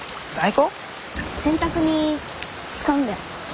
洗濯に使うんだよ。